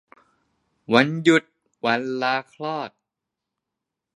วันหยุด วันลาคลอด